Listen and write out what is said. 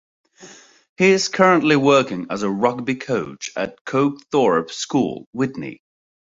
He is currently working as a rugby coach at Cokethorpe School, Witney.